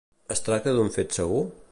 Es tracta d'un fet segur?